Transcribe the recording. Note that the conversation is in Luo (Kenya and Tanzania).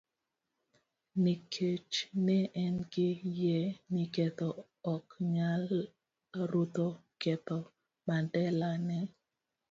Nikech ne en gi yie ni ketho ok nyal rucho ketho, Mandela ne